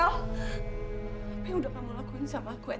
sampai jumpa di video selanjutnya